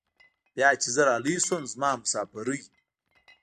بيا چې زه رالوى سوم زما مسافرۍ.